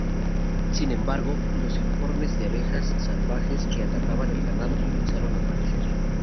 Sin embargo, los informes de abejas salvajes que atacaban el ganado comenzaron a aparecer.